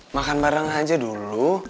makan bareng aja dulu